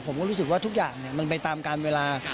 ผมก็รู้สึกว่าทุกอย่างมันไปตามการเวลา